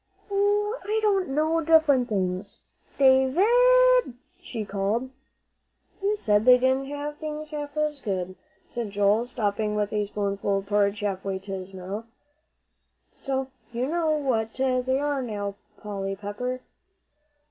"Oh, I don't know; different things. Da vid!" she called. "You said they didn't have things half as good," said Joel, stopping with a spoonful of porridge halfway to his mouth. "So you know what they are, now, Polly Pepper."